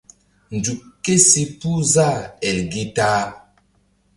Nzuk kési puh zah el gi ta-a.